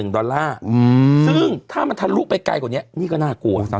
ดอลลาร์ซึ่งถ้ามันทะลุไปไกลกว่านี้นี่ก็น่ากลัว